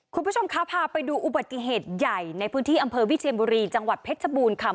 คุณผู้ชมคะพาไปดูอุบัติเหตุใหญ่ในพื้นที่อำเภอวิเชียนบุรีจังหวัดเพชรบูรณ์ค่ะ